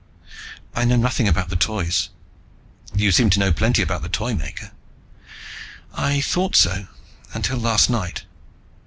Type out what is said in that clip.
"I know nothing about the Toys." "You seem to know plenty about the Toymaker." "I thought so. Until last night."